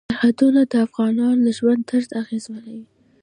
سرحدونه د افغانانو د ژوند طرز اغېزمنوي.